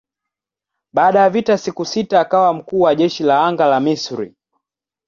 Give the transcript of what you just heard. Baada ya vita ya siku sita akawa mkuu wa jeshi la anga la Misri.